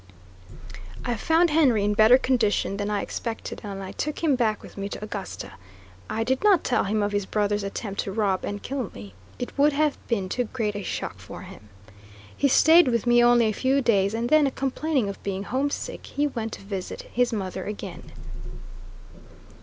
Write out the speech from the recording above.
I found Henry in better condition than I expected, and I took him back with me to Augusta. I did not tell him of his brother's attempt to rob and kill. Me it would have been too great a shock for him. He stayed with me only a few days and then, complaining of being homesick, he went to visit his mother again.